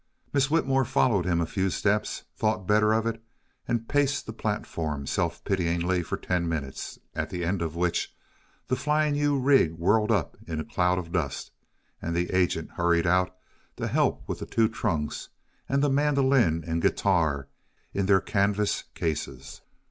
Miss Whitmore followed him a few steps, thought better of it, and paced the platform self pityingly for ten minutes, at the end of which the Flying U rig whirled up in a cloud of dust, and the agent hurried out to help with the two trunks, and the mandolin and guitar in their canvas cases.